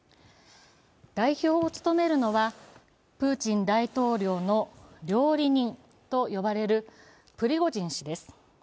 代表を務めるのはプーチン大統領の料理人と呼ばれるプリゴジン氏です。